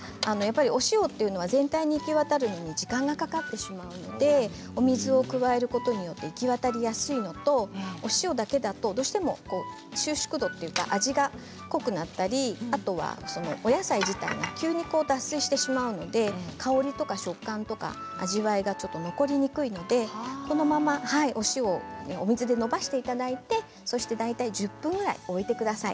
お塩は全体に行き渡るのに時間がかかってしまうのでお水を加えることによって行き渡りやすいのとお塩だけだとどうしても収縮度というか味が濃くなったりお野菜自体が急に脱水してしまうので香りや食感とか味わいが残りにくいのでこのままお塩をお水で伸ばしていただいて大体１０分ぐらい置いてください。